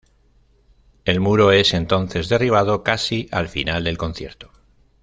El muro es entonces derribado casi al final del concierto.